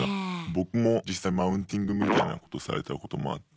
僕も実際マウンティングみたいなことされたこともあって。